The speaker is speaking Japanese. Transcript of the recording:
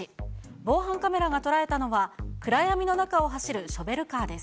防犯カメラが捉えたのは、暗闇の中を走るショベルカーです。